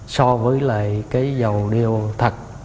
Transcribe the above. so với lại cái dầu đi ô thật